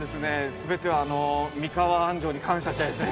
全ては三河安城に感謝したいですね。